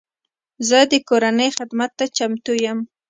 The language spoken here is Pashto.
زه د کورنۍ خدمت ته چمتو یم.